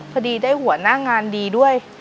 พอดีได้หัวหน้างานดีด้วย